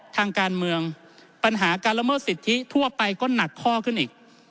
ทางการเมืองปัญหาการละเมิดสิทธิทั่วไปก็หนักข้อขึ้นอีก